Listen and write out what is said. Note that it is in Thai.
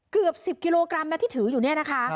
เกือบ๑๐กิโลกรัมนะที่ถืออยู่เนี่ยนะคะ